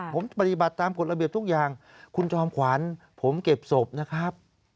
ผมปฏิบัติตามกฎระเบียบทุกอย่างคุณจอมขวัญผมเก็บศพนะครับ